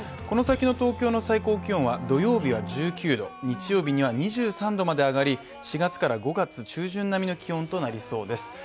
この先の東京の最高気温は土曜日は１９度日曜日には２３度まで上がり、４月から５月中旬並みの気温となりそうです。